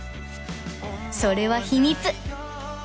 それは秘密！